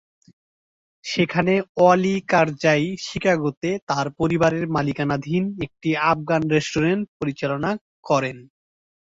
সেখানে ওয়ালি কারজাই শিকাগোতে তার পরিবারের মালিকানাধীন একটি আফগান রেস্টুরেন্ট পরিচালনা করেন।